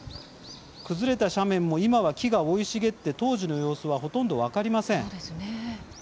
崩れた斜面も今は木が生い茂って当時の様子はほとんど分かりません。